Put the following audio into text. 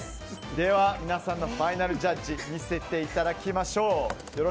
では皆さんのファイナルジャッジ見せていただきましょう。